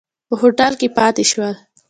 په هوټل کې پاتې شول.